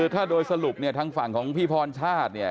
ถ้าโดยสรุปทางฝั่งของพี่พลชาติ